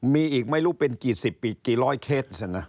มีอีกไม่รู้เป็นกี่สิบกี่ร้อยเคสนะ